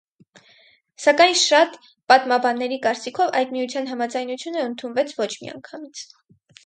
Սակայն, շատ պատմաբանների կարծիքով, այդ միության համաձայնությունը ընդունվեց ոչ միանգամից։